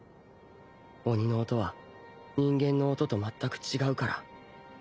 垉瓦硫擦人間の音と全く違うから